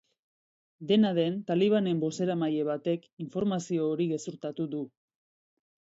Dena den, talibanen bozeramaile batek informazio hori gezurtatu du.